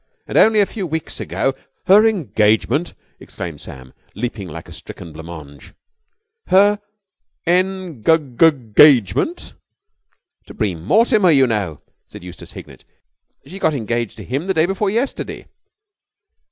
And only a few weeks ago...." "Her engagement!" exclaimed Sam, leaping like a stricken blanc mange. "Her en gug gug gagement!" "To Bream Mortimer, you know," said Eustace Hignett. "She got engaged to him the day before yesterday."